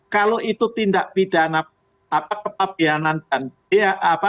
kalau itu tindak pidana kepabianan dan biaya